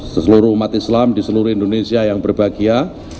seluruh umat islam di seluruh indonesia yang berbahagia